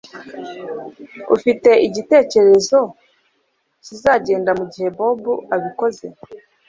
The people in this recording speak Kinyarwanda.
Ufite igitekerezo kizagenda mugihe Bobo abikoze